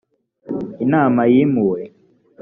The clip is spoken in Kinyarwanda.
inama yimuwe.